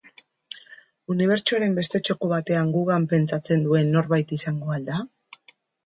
Unibertsoaren beste txoko batean gugan pentsatzen duen norbait izango al da?